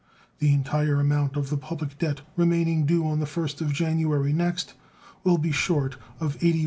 The entire amount of the public debt remaining due on the first of January next will be short of $81,000,000.